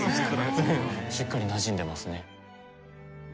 しっかりなじんでますね。